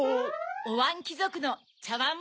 おわんきぞくのちゃわん